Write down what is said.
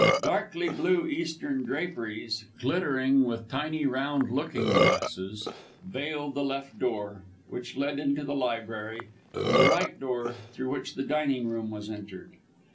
Darkly blue Eastern draperies, glittering with tiny round looking glasses, veiled the left door, which led into the library, and the right door, through which the dining room was entered.